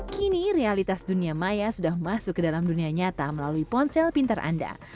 kini realitas dunia maya sudah masuk ke dalam dunia nyata melalui ponsel pintar anda